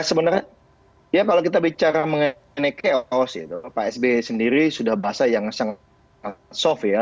sebenarnya ya kalau kita bicara mengenai chaos itu pak sby sendiri sudah bahasa yang sangat soft ya